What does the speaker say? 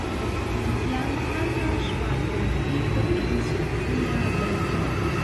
Planata ŝparpolitiko en socia vivo.